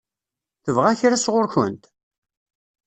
Tebɣa kra sɣur-kent?